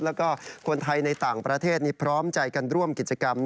แล้วก็คนไทยในต่างประเทศนี้พร้อมใจกันร่วมกิจกรรม